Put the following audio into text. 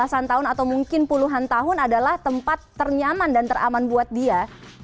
belasan tahun atau mungkin puluhan tahun adalah tempat ternyaman dan teraman buat dia